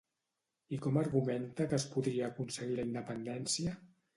I com argumenta que es podria aconseguir la independència?